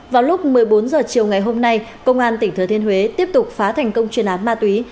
vào lúc một mươi bốn h chiều ngày hôm nay công an tỉnh thừa thiên huế tiếp tục phá thành công chuyên án ma túy